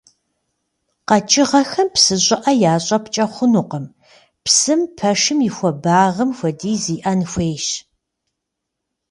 Къэкӏыгъэхэм псы щӏыӏэ ящӏэпкӏэ хъунукъым, псым пэшым и хуэбагъым хуэдиз иӏэн хуейщ.